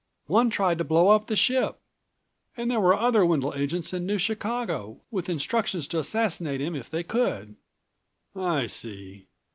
One tried to blow up the ship. And there were other Wendel agents in New Chicago, with instructions to assassinate him if they could." "I see.